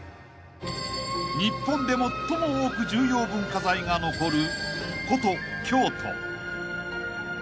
［日本で最も多く重要文化財が残る古都京都］